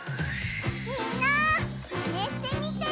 みんなマネしてみてね！